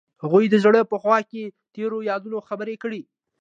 هغوی د زړه په خوا کې تیرو یادونو خبرې کړې.